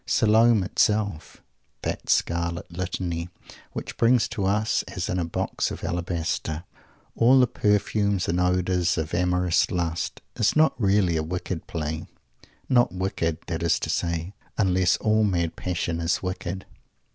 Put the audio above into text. Salome itself that Scarlet Litany which brings to us, as in a box of alabaster, all the perfumes and odours of amorous lust, is not really a "wicked" play; not wicked, that is to say, unless all mad passion is wicked.